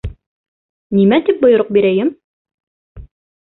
Нимә тип бойороҡ бирәйем?